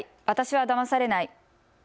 私はだまされない。